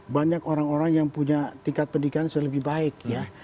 banyak orang orang yang punya tingkat pendidikan sudah lebih baik ya